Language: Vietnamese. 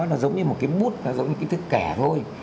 nó giống như một cái bút giống như cái thức kẻ thôi